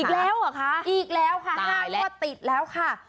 อีกแล้วเหรอคะอีกแล้วค่ะ๕งวดติดแล้วค่ะ